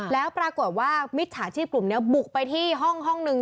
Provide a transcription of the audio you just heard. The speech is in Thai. แล้วปรากฏว่ามิจฉาชีพกลุ่มนี้บุกไปที่ห้องนึง